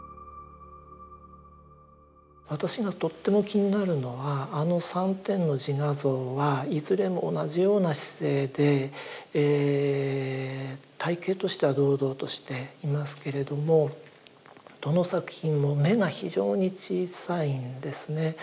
私がとっても気になるのはあの３点の自画像はいずれも同じような姿勢で体形としては堂々としていますけれどもどの作品も眼が非常に小さいんですね。